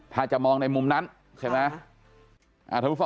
ถ้าจะมองในมุมนั้นใช่ไหม